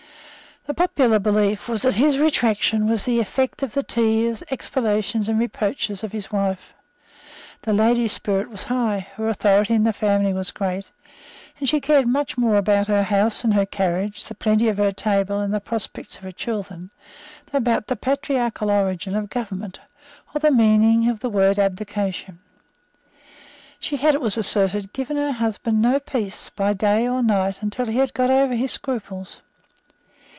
The popular belief was that his retractation was the effect of the tears, expostulations and reproaches of his wife. The lady's spirit was high; her authority in the family was great; and she cared much more about her house and her carriage, the plenty of her table and the prospects of her children, than about the patriarchal origin of government or the meaning of the word Abdication. She had, it was asserted, given her husband no peace by day or by night till he had got over his scruples.